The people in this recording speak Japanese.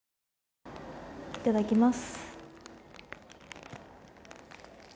いただきます。